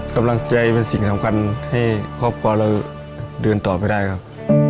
กำลังใจเป็นสิ่งสำคัญให้ครอบครัวเราเดินต่อไปได้ครับ